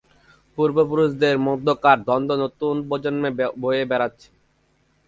পূর্বপুরুষদের মধ্যেকার দ্বন্দ্ব নতুন প্রজন্ম বয়ে বেরাচ্ছে।